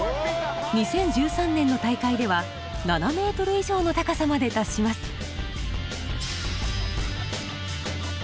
２０１３年の大会では７ｍ以上の高さまで達します。